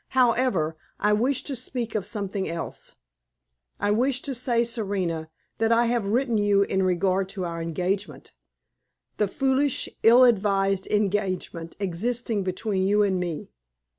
However, I wish to speak of something else; I wish to say, Serena, that I have written you in regard to our engagement the foolish, ill advised engagement existing between you and me.